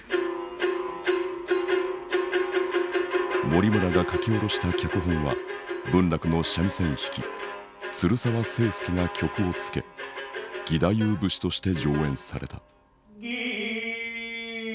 森村が書き下ろした脚本は文楽の三味線弾き鶴澤清介が曲をつけ義太夫節として上演された。